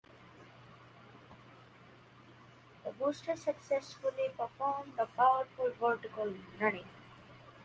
The booster successfully performed a powered vertical landing.